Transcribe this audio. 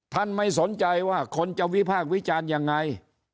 ไม่สนใจว่าคนจะวิพากษ์วิจารณ์ยังไง